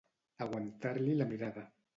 Aguantar-li la mirada.